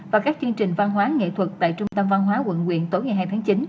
và các chương trình văn hóa nghệ thuật tại trung tâm văn hóa quận quyện tối ngày hai tháng chín